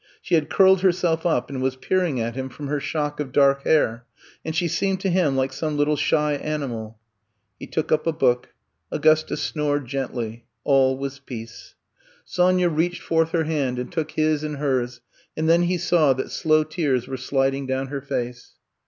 She had curled herself up and was peering at him from her shock of dark hair, and she seemed to him like some little shy animal. He took up a book. Augusta snored gently. All was peace. Sonya reached 72 I'VE COME TO STAY forth her hand and took his in hers and then he saw that slow tears were sliding down her face.